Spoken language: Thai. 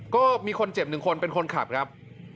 ก็มีคนเจ็บ๑คนเป็นคนขับครับ